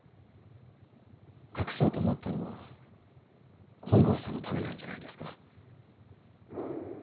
隠そうと思ったのは本郷さんのためなんじゃないですか？